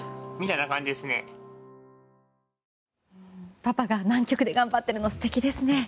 パパが南極で頑張ってるの素敵ですね。